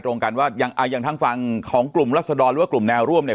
จะได้เข้าใจตรงกันว่าอย่างทางฟังของกลุ่มรัศดรหรือกลุ่มแนวร่วมเนี่ย